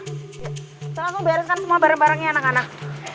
kita langsung bereskan semua barang barangnya anak anak